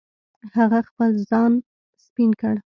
هغه خپل ځان سپین کړ.